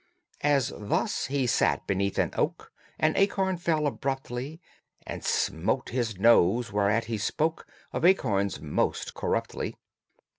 As thus he sat beneath an oak An acorn fell abruptly And smote his nose: whereat he spoke Of acorns most corruptly.